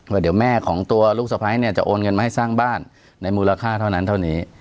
ว่าเดี๋ยวแม่ของตัวลูกสะพ้ายเนี่ยจะโอนเงินมาให้สร้างบ้านในมูลค่าเท่านั้นเท่านี้